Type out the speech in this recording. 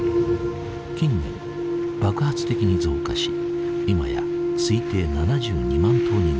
近年爆発的に増加し今や推定７２万頭に上っている。